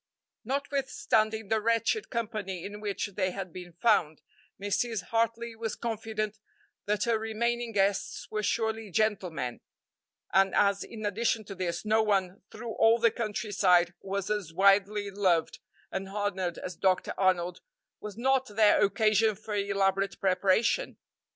Notwithstanding the wretched company in which they had been found, Mrs. Hartley was confident that her remaining guests were surely "gentlemen;" and as, in addition to this, no one through all the countryside was as widely loved and honored as Dr. Arnold, was not there occasion for elaborate preparation?